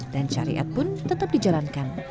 dan syariat pun tetap dijalankan